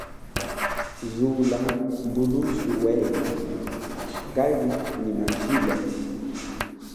Zula mbulusu weye kali nyi majilo.